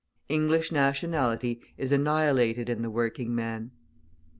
English nationality is annihilated in the working man.